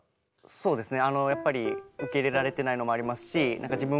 そうですね。